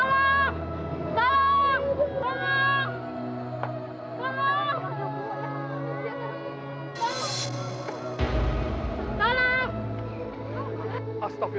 ibu jangan tinggalin pintar